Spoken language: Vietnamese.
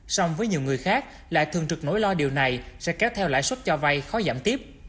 song với nhiều người khác lại thường trực nỗi lo điều này sẽ kéo theo lãi suất cho vay khó giảm tiếp